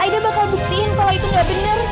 aida bakal buktiin kalau itu gak bener